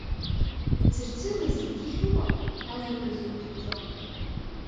Ицырцыруа зегьгьы хьума, азныказы иуҿаҷҷо?